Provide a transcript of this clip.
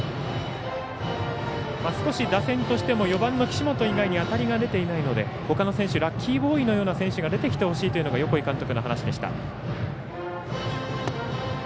少し打線としても４番の岸本以外に当たりが出ていないのでほかの選手ラッキーボーイのような選手が出てきてほしいというのが横井監督の話でした。